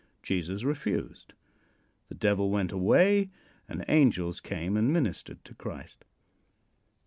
Jesus refused. The Devil went away and angels came and ministered to Christ.